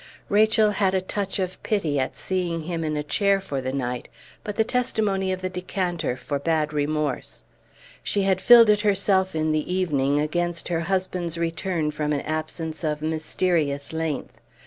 Rachel had a touch of pity at seeing him in a chair for the night; but the testimony of the decanter forbade remorse. She had filled it herself in the evening against her husband's return from an absence of mysterious length.